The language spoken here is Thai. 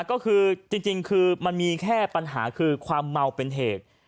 ก็คือจริงคือมันมีแค่ปัญหาคือความเมาเป็นเหตุ